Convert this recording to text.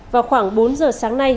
vào khoảng bốn giờ sáng nay